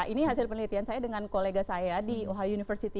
ini hasil penelitian saya dengan kolega saya di ohi university